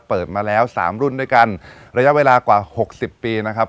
เปิดมาแล้วสามรุ่นด้วยกันระยะเวลากว่าหกสิบปีนะครับ